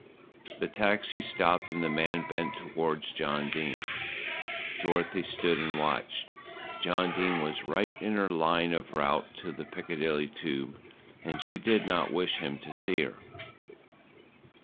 The taxi stopped and the man bent towards John Dene. Dorothy stood and watched. John Dene was right in her line of route to the Piccadilly Tube, and she did not wish him to see her.